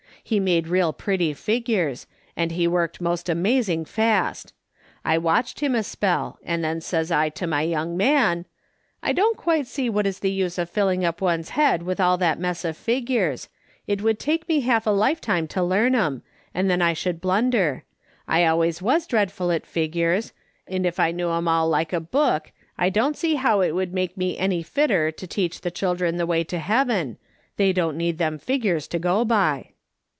He made real pretty figures, and he worked most amazing fast. I watched him a spell, and then says I to my young man :"' I don't quite see what is the use of filling up one's head with all that mess of figures ; it would take me half a lifetime to learn 'em, and then I should blunder ; I always was dreadful at figures, and if I knew 'em all like a book, I don't see how it would make me any fitter to teach the children the way to heaven ; they don't need them figures to go by.'